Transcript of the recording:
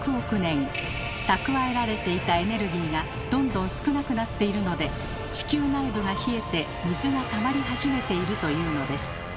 蓄えられていたエネルギーがどんどん少なくなっているので地球内部が冷えて水がたまり始めているというのです。